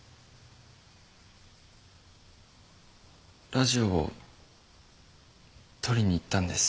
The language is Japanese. ラジオを取りに行ったんです。